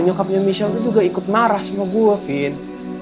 nyokapnya michelle juga ikut marah sama gue vin